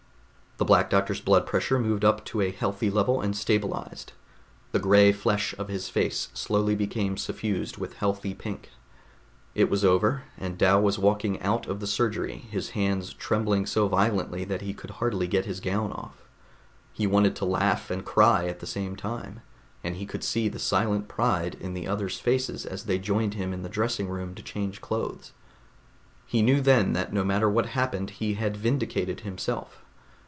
The Black Doctor's blood pressure moved up to a healthy level and stabilized; the gray flesh of his face slowly became suffused with healthy pink. It was over, and Dal was walking out of the surgery, his hands trembling so violently that he could hardly get his gown off. He wanted to laugh and cry at the same time, and he could see the silent pride in the others' faces as they joined him in the dressing room to change clothes. He knew then that no matter what happened he had vindicated himself.